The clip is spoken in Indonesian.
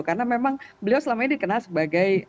karena memang beliau selama ini dikenal sebagai